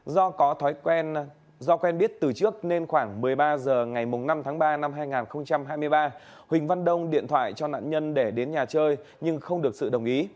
do có thói quen do quen biết từ trước nên khoảng một mươi ba h ngày năm tháng ba năm hai nghìn hai mươi ba huỳnh văn đông điện thoại cho nạn nhân để đến nhà chơi nhưng không được sự đồng ý